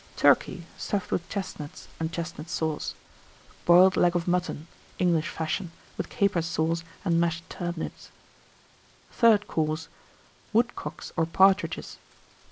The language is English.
Turkey, stuffed with Chestnuts, and Chestnut Sauce. Boiled Leg of Mutton, English Fashion, with Capers Sauce and Mashed Turnips. THIRD COURSE. Woodcocks or Partridges.